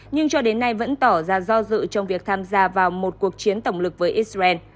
nhưng cho đến nay vẫn tỏ ra do dự trong việc tham gia vào một cuộc chiến tổng lực với israel